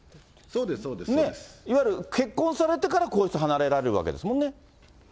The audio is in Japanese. いわゆる、結婚されてから、皇室を離れられるわけですもんね。